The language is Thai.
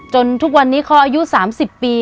ทุกวันนี้เขาอายุ๓๐ปี